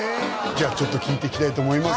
じゃあちょっと聞いていきたいと思います